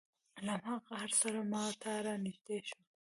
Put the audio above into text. له هماغه قهره سره ما ته را نږدې شو.